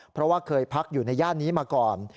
เพราะว่าเคยพักอยู่ในย่านนี้มาก่อน